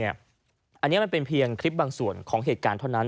อันนี้มันเป็นเพียงคลิปบางส่วนของเหตุการณ์เท่านั้น